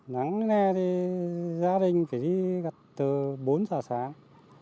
nắng này thì gia đình thì đi gặt từ bốn giờ sáng